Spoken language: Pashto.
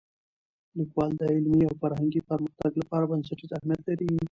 لیکوالی د علمي او فرهنګي پرمختګ لپاره بنسټیز اهمیت لري.